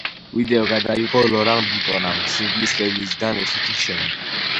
ვიდეო გადაიღო ლორან ბუტონამ, სინგლის რელიზიდან ერთი თვის შემდეგ.